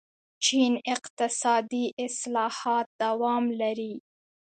چین اقتصادي اصلاحات دوام لري.